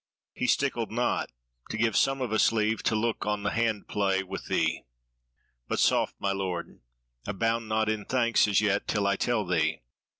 he stickled not to give some of us leave to look on the hand play with thee. But soft, my Lord! abound not in thanks as yet, till I tell thee.